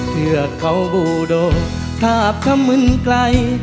เพื่อเขาบูโดทาบขมึนไกล